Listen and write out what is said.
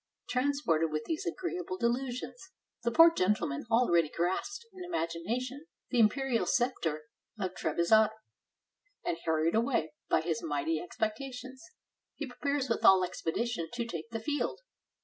Transported with these agreeable delusions, the poor gentleman already grasped in imagination the imperial scepter of Trebizonde; and, hurried away by his mighty expectations, he prepares with all expedition to take the field.